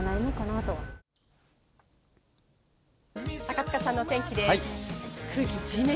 高塚さんのお天気です。